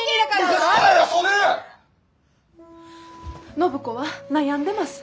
暢子は悩んでます。